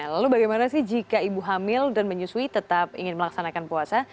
lalu bagaimana sih jika ibu hamil dan menyusui tetap ingin melaksanakan puasa